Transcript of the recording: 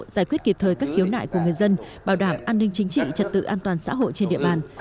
giải quyết kịp thời các khiếu nại của người dân bảo đảm an ninh chính trị trật tự an toàn xã hội trên địa bàn